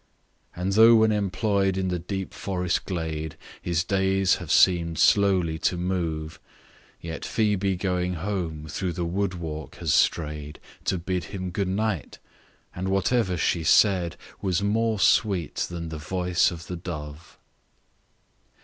And though when employed in the deep forest glade, His days have seem'd slowly to move, Yet Phoebe going home, through the wood walk has stray'd To bid him good night! and whatever she said Was more sweet than the voice of the dove.